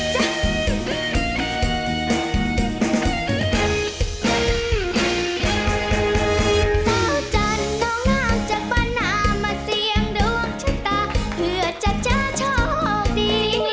เจ้าจันทร์น้องลานจากบ้านนามาเสี่ยงดวงชะตาเพื่อจะเจอโชคดี